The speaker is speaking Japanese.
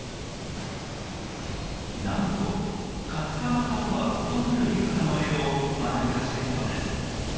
なんと勝川派とは異なる流派の絵を学び始めたのです。